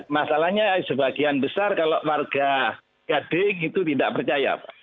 masalahnya sebagian besar kalau warga gading itu tidak percaya pak